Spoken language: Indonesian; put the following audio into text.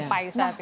sampai saat ini